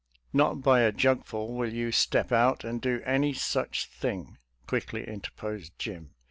" Not by a jugful will you step out and do any such thing," quickly interposed Jim.